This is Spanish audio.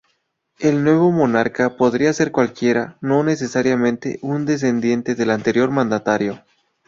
El nuevo monarca podía ser cualquiera, no necesariamente un descendiente del anterior mandatario.